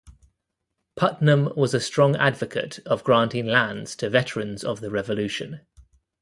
Putnam was a strong advocate of granting lands to veterans of the Revolution.